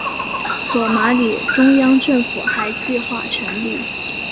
索马里中央政府还计划成立。